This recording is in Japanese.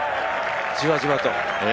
じわじわと。